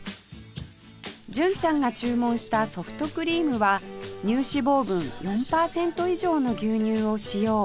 純ちゃんが注文したソフトクリームは乳脂肪分４パーセント以上の牛乳を使用